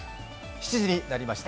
７時になりました。